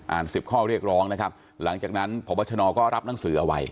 สิบข้อเรียกร้องนะครับหลังจากนั้นพบชนก็รับหนังสือเอาไว้